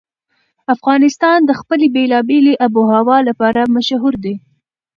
افغانستان د خپلې بېلابېلې آب وهوا لپاره مشهور دی.